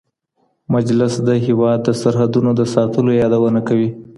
مجلس د هېواد د سرحدونو د ساتلو يادونه کوي.